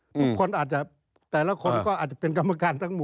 ทุกคนอาจจะแต่ละคนก็อาจจะเป็นกรรมการทั้งหมด